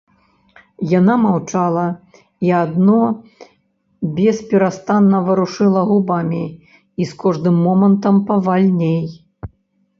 Яна маўчала і адно бесперастанна варушыла губамі і з кожным момантам павальней.